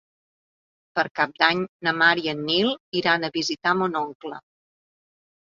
Per Cap d'Any na Mar i en Nil iran a visitar mon oncle.